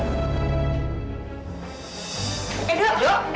emang sakit jiwa atau nggak kalau nggak tentang kamu